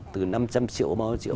từ năm trăm linh triệu bao nhiêu triệu